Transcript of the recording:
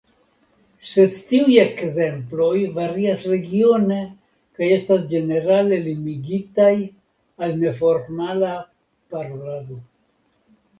Sed tiuj ekzemploj varias regione kaj estas ĝenerale limigitaj al neformala parolado.